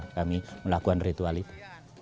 kami melakukan ritual itu